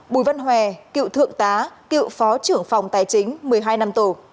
bùi văn hòe cựu thượng tá cựu phó trưởng phòng tài chính một mươi hai năm tù